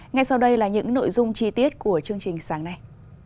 ngay sau đây là những nội dung chi tiết của chương trình sáng nay